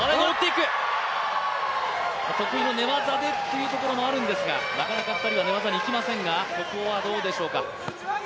得意の寝技でというところもあるんですが、なかなか２人は寝技にいきませんがここはどうでしょうか。